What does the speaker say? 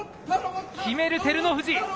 決める、照ノ富士。